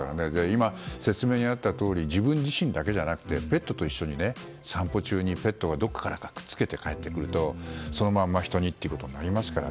今、説明にあったとおり自分自身じゃなくてペットと一緒に散歩中にペットがどこからかくっつけて帰ってくるとそのまま人にということになりますから。